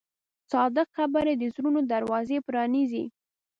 صادق خبرې د زړونو دروازې پرانیزي.